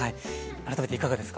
改めていかがですか？